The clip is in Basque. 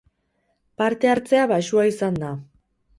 Parte hartzea baxua izan da.